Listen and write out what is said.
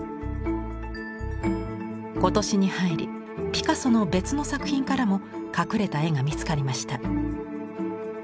今年に入りピカソの別の作品からも隠れた絵が見つかりました。